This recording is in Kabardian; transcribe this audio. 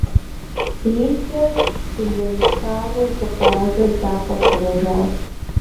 Биидзэр здынэмысауэ зы къуажэ закъуэт къэнэжар.